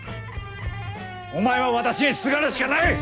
お前は私にすがるしかない！